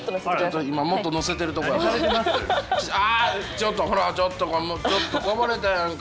ちょっとほらちょっとこぼれたやんか。